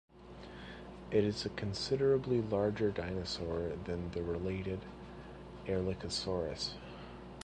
It is a considerably larger dinosaur than the related "Erlikosaurus".